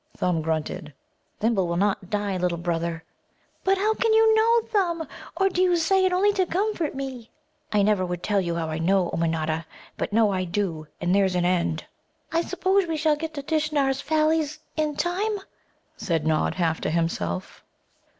Thumb grunted. "Thimble will not die, little brother." "But how can you know, Thumb? Or do you say it only to comfort me?" "I never could tell how I know, Ummanodda; but know I do, and there's an end." "I suppose we shall get to Tishnar's Valleys in time?" said Nod, half to himself.